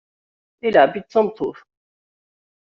Ilεeb-itt d tameṭṭut.